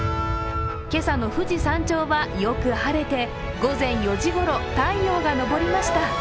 今朝の富士山頂はよく晴れて、午前４時ごろ、太陽が昇りました。